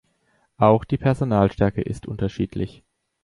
Auch die Personalstärke ist unterschiedlich.